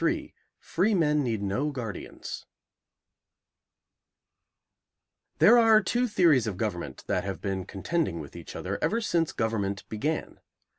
III FREEMEN NEED NO GUARDIANS There are two theories of government that have been contending with each other ever since government began.